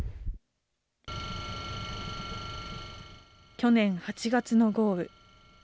去年８月の豪雨。